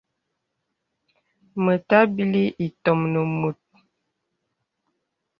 Mə tàbìlī itōm nə mùt.